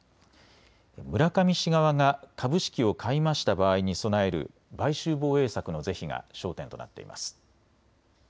村上氏側が株式を買い増した場合に備える買収防衛策の是非が焦点となっています。